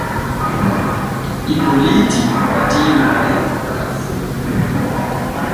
Ipoliiti batii maari ka fu.